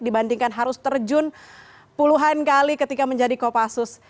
dibandingkan harus terjun puluhan kali ketika menjadi kopassus